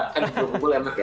kan diberkumpul enak ya